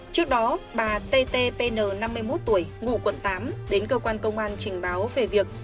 trước đó bà t t p n năm mươi một tuổi ngủ quận tám đến cơ quan công an trình báo về việc